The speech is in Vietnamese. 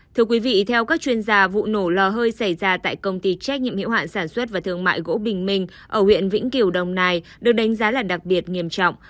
thưa quý vị theo các chuyên gia vụ nổ lò hơi xảy ra tại công ty trách nhiệm hiệu hạn sản xuất và thương mại gỗ bình minh ở huyện vĩnh kiểu đồng này được đánh giá là đặc biệt nghiêm trọng